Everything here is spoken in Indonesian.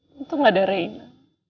tentu gak ada reina